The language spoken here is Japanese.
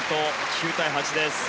９対８です。